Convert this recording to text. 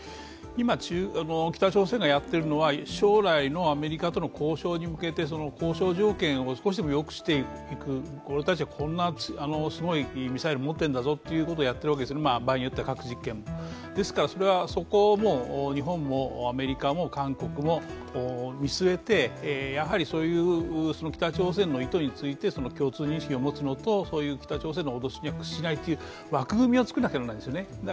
今、北朝鮮がやっているのは将来のアメリカとの交渉に向けて、交渉条件を少しでもよくしていく、俺たちは、こんなにすごいミサイル持ってるんだぞということをやっているわけです、場合によっては核実験も、ですからそこは日本もアメリカも韓国も見据えて、そういう北朝鮮の意図について共通認識を持つのと、北朝鮮の脅しに屈しないという枠組みを作らなきゃ行けないですよね。